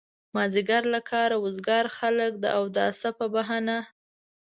مازيګر له کاره وزګار خلک د اوداسه په بهانه.